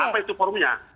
apa itu forumnya